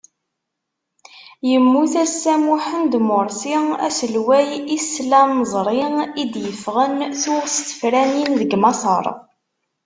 Yemmut assa Muḥemmed Mursi, aselway islamẓri i d-yeffɣen tuɣ s tefranin deg Maṣer.